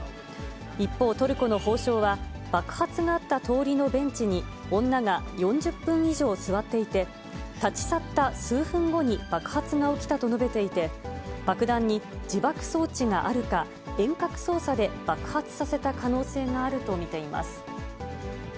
一方、トルコの法相は、爆発があった通りのベンチに、女が４０分以上座っていて、立ち去った数分後に爆発が起きたと述べていて、爆弾に自爆装置があるか、遠隔操作で爆発させた可能性があると見ています。